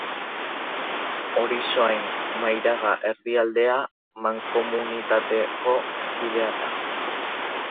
Orisoain, Mairaga-Erdialdea mankomunitateko kidea da.